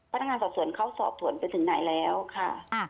พนักงานสอบสวนเขาสอบสวนไปถึงไหนแล้วค่ะ